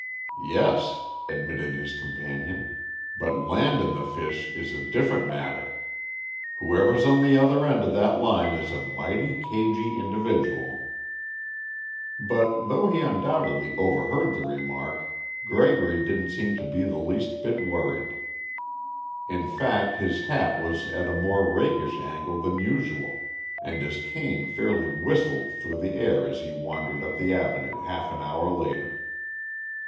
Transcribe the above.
"Yes," admitted his companion, "but landin' the fish is a different matter. Whoever's on the other end of that line is a mighty cagy individual." But, though he undoubtedly overheard the remark, Gregory didn't seem to be the least bit worried. In fact, his hat was at a more rakish angle than usual and his cane fairly whistled through the air as he wandered up the Avenue half an hour later.